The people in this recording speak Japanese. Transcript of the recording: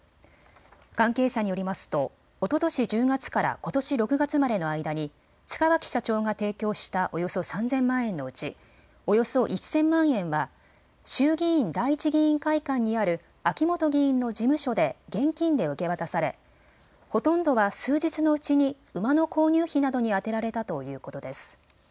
関係者によりますとおととし１０月からことし６月までの間に塚脇社長が提供したおよそ３０００万円のうちおよそ１０００万円は衆議院第一議員会館にある秋本議員の事務所で現金で受け渡されほとんどは数日のうちに馬の購入費などに充てられたということです。